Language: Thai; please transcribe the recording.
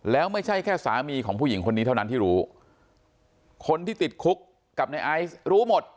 แล้วไม่ใช่แค่สามีของผู้หญิงคนนี้เท่านั้นที่รู้คนที่ติดคุกกับในไอซ์รู้หมด